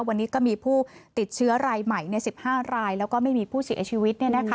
วันนี้ก็มีผู้ติดเชื้อรายใหม่๑๕รายแล้วก็ไม่มีผู้เสียชีวิต